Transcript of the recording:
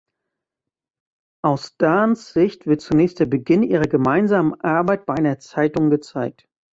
Aus Dans Sicht wird zunächst der Beginn ihrer gemeinsamen Arbeit bei einer Zeitung gezeigt.